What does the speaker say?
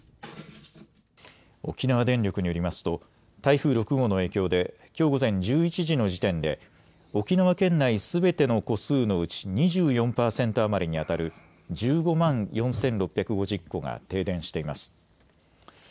沖縄電力によりますと台風６号の影響できょう午前１１時の時点で沖縄県内すべての戸数のうち２４％余りにあたる１５万４６５０戸が停電しています。